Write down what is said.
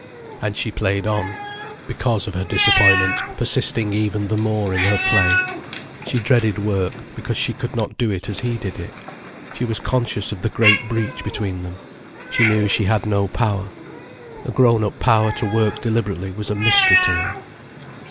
And she played on, because of her disappointment persisting even the more in her play. She dreaded work, because she could not do it as he did it. She was conscious of the great breach between them. She knew she had no power. The grown up power to work deliberately was a mystery to her.